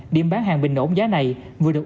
điểm bán hàng bình ổn giá này vừa được